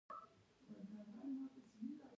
دا کار به ونشي